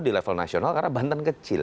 di level nasional karena banten kecil